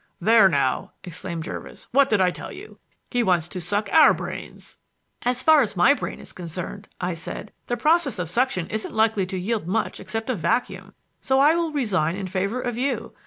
"There now," exclaimed Jervis, "what did I tell you? He wants to suck our brains." "As far as my brain is concerned," I said, "the process of suction isn't likely to yield much except a vacuum, so I will resign in favor of you.